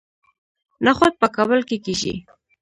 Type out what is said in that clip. نخود په کابل کې کیږي